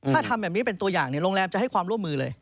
ถ้าทำแบบนี้เป็นตัวอย่างโรงแรมจะให้ความร่วมมือเลย